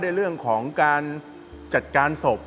ในเรื่องของการจัดการศพ